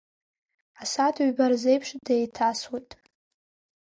Асааҭ ҩба рзеиԥш деиҭасуеит.